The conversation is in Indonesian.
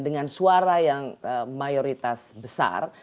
dengan suara yang mayoritas besar